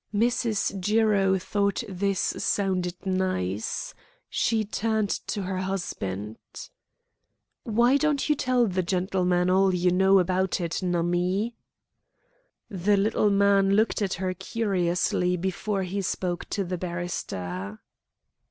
Mrs. Jiro thought this sounded nice. She turned to her husband: "Why don't you tell the gentleman all you know about it, Nummie?" The little man looked at her curiously before he spoke to the barrister.